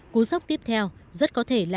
cú sốc tiếp theo rất có thể là